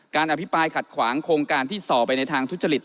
อภิปรายขัดขวางโครงการที่ส่อไปในทางทุจริต